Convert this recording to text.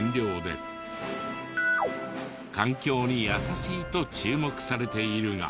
環境に優しいと注目されているが。